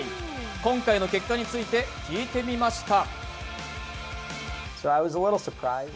今回の結果について聞いてみました。